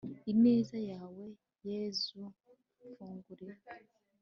ineza yawe yezu mfungurira